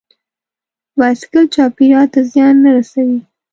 بایسکل چاپېریال ته زیان نه رسوي.